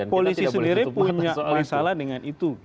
polisi sendiri punya masalah dengan itu